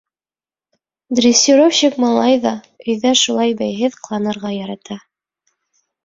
Дрессировщик малай ҙа өйҙә шулай бәйһеҙ ҡыланырға ярата.